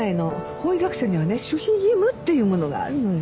法医学者にはね守秘義務っていうものがあるのよ。